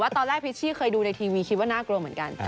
ตอนแรกพิชชี่เคยดูในทีวีคิดว่าน่ากลัวเหมือนกัน